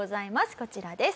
こちらです。